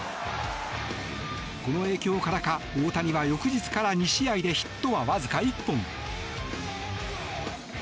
この影響からか大谷は翌日から２試合でヒットはわずか１本。